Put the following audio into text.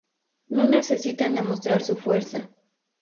No necesitan demostrar su fuerza.